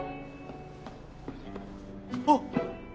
あっ！